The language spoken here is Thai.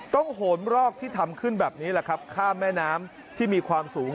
โหนรอกที่ทำขึ้นแบบนี้แหละครับข้ามแม่น้ำที่มีความสูง